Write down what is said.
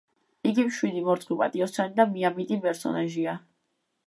იგი მშვიდი, მორცხვი, პატიოსანი და მიამიტი პერსონაჟია.